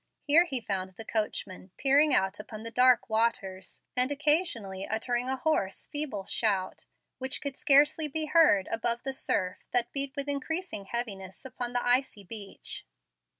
Here he found the coachman peering out upon the dark waters, and occasionally uttering a hoarse, feeble shout, which could scarcely be heard above the surf that beat with increasing heaviness upon the icy beach.